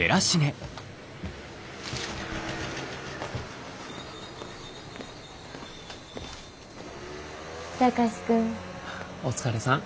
お疲れさん。